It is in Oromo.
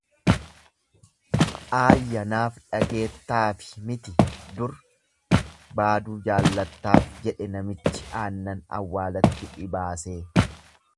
Aayya naaf dhageettaafi miti dur baaduu jaalattaaf jedhe namichi aannan awwaalatti dhibaasee.